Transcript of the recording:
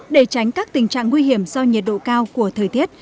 để tránh các tình trạng nguy hiểm do nhiệt độ cao của thời tiết